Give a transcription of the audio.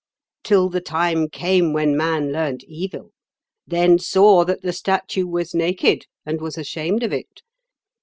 Till the time came when man learnt evil; then saw that the statue was naked, and was ashamed of it.